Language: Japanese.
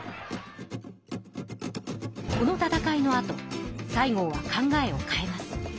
この戦いのあと西郷は考えを変えます。